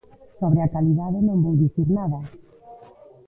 Sobre a calidade non vou dicir nada.